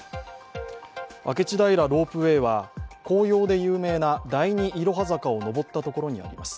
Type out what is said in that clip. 明智平ロープウェイは紅葉で有名な第２いろは坂を登った所にあります。